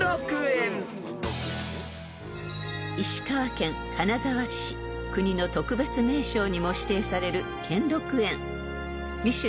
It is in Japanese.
［石川県金沢市国の特別名勝にも指定される兼六園］